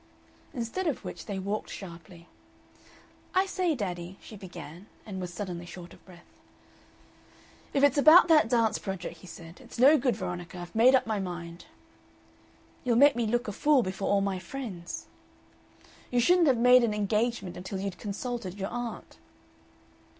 Instead of which they walked sharply.... "I say, daddy," she began, and was suddenly short of breath. "If it's about that dance project," he said, "it's no good, Veronica. I've made up my mind." "You'll make me look a fool before all my friends." "You shouldn't have made an engagement until you'd consulted your aunt."